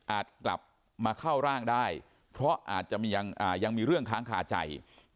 กลับมาเข้าร่างได้เพราะอาจจะยังมีเรื่องค้างคาใจ